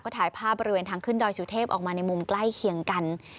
ถ่ายภาพบริเวณทางขึ้นดอยสุเทพออกมาในมุมใกล้เคียงกัน